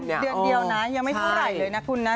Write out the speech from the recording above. เดือนเดียวนะยังไม่เท่าไหร่เลยนะคุณนะ